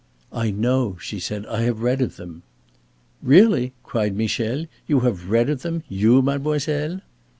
"I know," she said. "I have read of them." "Really?" cried Michel. "You have read of them you, mademoiselle?"